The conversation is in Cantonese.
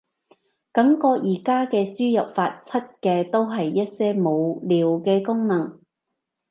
感覺而家嘅輸入法，出嘅都係一些無聊嘅功能